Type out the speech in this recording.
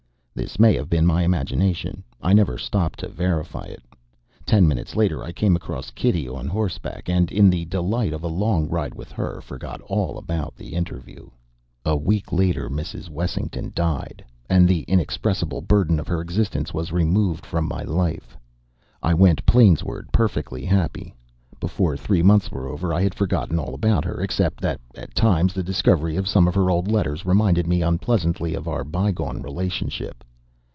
This may have been imagination. I never stopped to verify it. Ten minutes later I came across Kitty on horseback; and, in the delight of a long ride with her, forgot all about the interview. A week later Mrs. Wessington died, and the inexpressible burden of her existence was removed from my life. I went Plainsward perfectly happy. Before three months were over I had forgotten all about her, except that at times the discovery of some of her old letters reminded me unpleasantly of our bygone relationship.